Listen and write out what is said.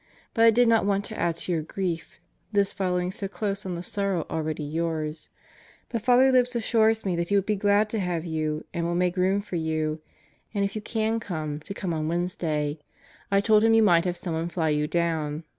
But I did not want "to add to your grief this following so close on the sorrow already yours. But Father Libs assures me that he would be glad to have you and will make room for you, and if you can come to come on Wednesday. I told him you might have someone fly you down.